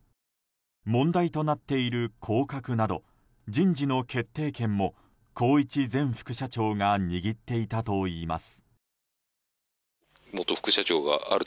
問題となっている降格など人事の決定権も宏一前副社長が握っていたといいます。